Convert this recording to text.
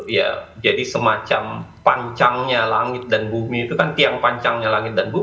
ya jadi semacam pancangnya langit dan bumi itu kan tiang panjangnya langit dan bumi